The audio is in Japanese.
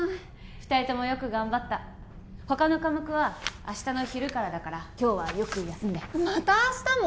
２人ともよく頑張った他の科目は明日の昼からだから今日はよく休んでまた明日も？